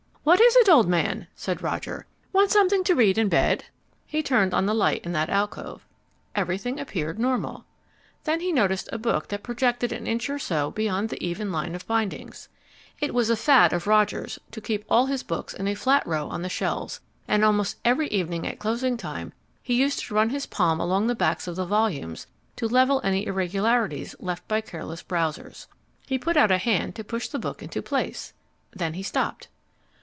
"What is it, old man?" said Roger. "Want something to read in bed?" He turned on the light in that alcove. Everything appeared normal. Then he noticed a book that projected an inch or so beyond the even line of bindings. It was a fad of Roger's to keep all his books in a flat row on the shelves, and almost every evening at closing time he used to run his palm along the backs of the volumes to level any irregularities left by careless browsers. He put out a hand to push the book into place. Then he stopped.